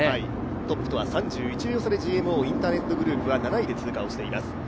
トップとは３１秒差でＧＭＯインターネットグループか７位で通過しています。